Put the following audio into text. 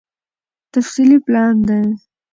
تفصيلي پلان دی